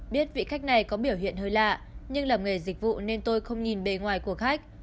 biết vị khách này có biểu hiện hơi lạ nhưng làm nghề dịch vụ nên tôi không nhìn bề ngoài của khách